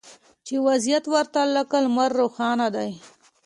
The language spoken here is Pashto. چې وضعیت ورته لکه لمر روښانه دی